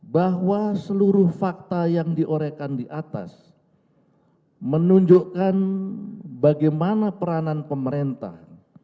bahwa seluruh fakta yang diorekan di atas menunjukkan bagaimana peranan pemerintah